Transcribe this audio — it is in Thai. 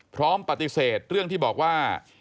พร้อมปฏิเสธเรื่องที่บอกว่า